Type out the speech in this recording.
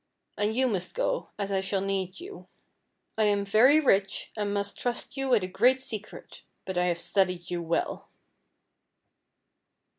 And you must go, as I shall need you. I am very rich, and must trust you with a great secret; but I have studied you well."